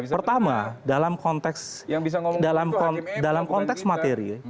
pertama dalam konteks materi